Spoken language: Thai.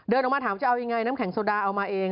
เอาไงน้ำแข็งโสดาเอามาเอง